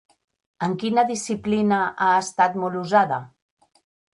En quina disciplina ha estat molt usada?